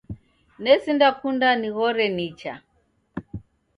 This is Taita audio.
Nesinda kunda nighore nicha